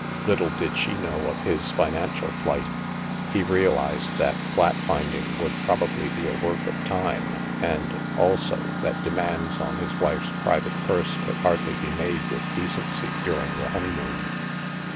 Little did she know of his financial plight; he realized that flat finding would probably be a work of time and, also, that demands on his wife's private purse could hardly be made with decency during the hone)rmoon.